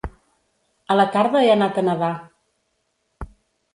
A la tarda he anat a nedar.